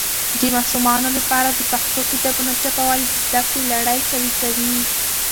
د ماشومانو لپاره د پښتو کتابونه چاپول د زده کړې لړی قوي کوي.